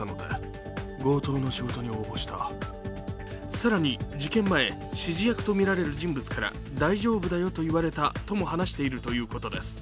更に事件前、指示役とみられる人物から「大丈夫だよ」と言われたとも話しているということです。